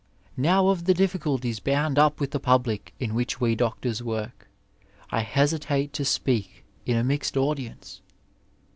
Now of the difficulties bound up with the public in which we doctors work, I hesitate to speak in a mixed audience.